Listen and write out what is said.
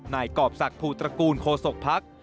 นายกอบสักผู่ตระกูลโคศกภักดิ์